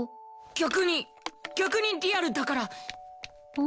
逆にリアルだから。